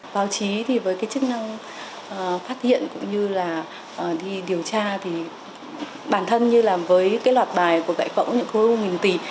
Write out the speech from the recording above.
báo chí với chức năng phát hiện cũng như là đi điều tra bản thân như là với loạt bài của đại phẫu những khối u nghìn tỷ